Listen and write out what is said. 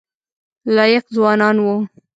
لایق ځوانان وو.